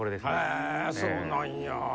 へぇそうなんや。